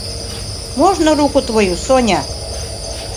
Можно руку твою, Соня?